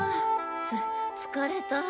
つ疲れた。